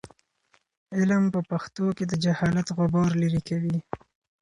علم په پښتو کې د جهالت غبار لیرې کوي.